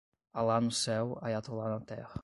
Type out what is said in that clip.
Alá no céu, Aiatolá na Terra